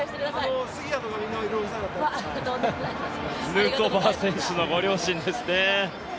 ヌートバー選手のご両親ですね。